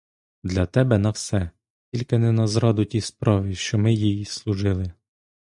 Для тебе на все, тільки не на зраду тій справі, що ми їй служили.